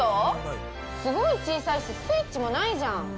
すごい小さいしスイッチもないじゃん。